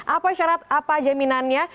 apa syarat apa jaminannya